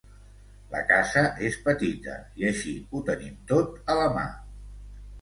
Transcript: La casa és petita, i així ho tenim tot a la mà.